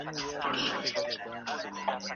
پیاده تګ د زړه د سلامتیا لپاره ډېر ګټور دی.